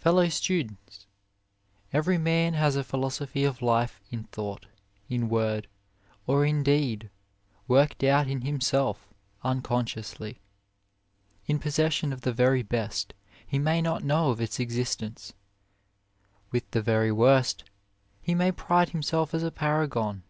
PELLOW STUDENTS Every man has a philo sophy of life in thought, in word, or in deed, worked out in himself unconsciously. In possession of the very best, he may not know of its existence ; with the very worst he may pride himself as a paragon.